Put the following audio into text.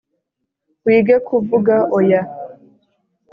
wige kuvuga oya